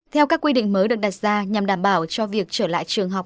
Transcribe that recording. theo các quy định mới được đặt ra nhằm đảm bảo cho việc trở lại trường học